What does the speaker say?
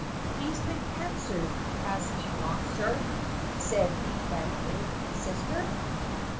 " "He's been answered, has he not, sir?" Said the meditative sister.